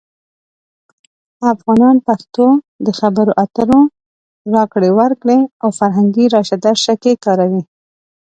افغانان پښتو د خبرو اترو، راکړې ورکړې، او فرهنګي راشه درشه کې کاروي.